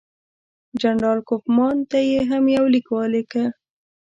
جنرال کوفمان ته یې هم یو لیک ولیکه.